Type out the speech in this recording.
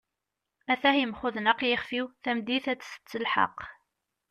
at-ah yemxudneq yixef-iw, tameddit ad tett lḥal